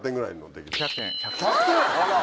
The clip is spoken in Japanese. １００点！